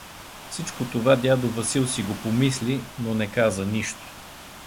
Всичко това дядо Васил си го помисли, но не каза нищо.